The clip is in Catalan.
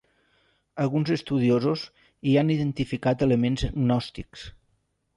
Alguns estudiosos hi han identificat elements gnòstics.